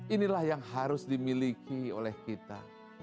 inilah yang harus dimiliki oleh kita